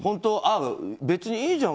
別にいいじゃん。